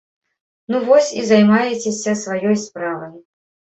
Ну вось і займайцеся сваёй справай.